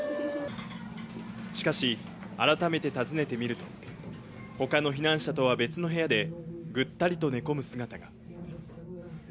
しかし、改めて訪ねてみると、他の避難者とは別の部屋で、ぐったりと寝込む姿が。